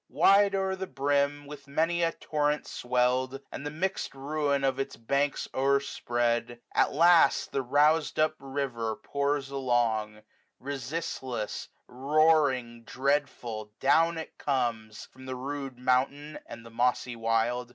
Wide o'er the brim, with many a torrent swellM, And the mixM ruin of its banks o erspread^ 95 At last the rousM up river pours along ; Resistless, roaring, dreadful, down it comes, From the rude mountain, and the mossy wild.